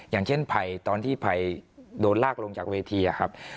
อย่างเช่นภัยตอนที่ภัยโดนลากลงจากเวทีครับ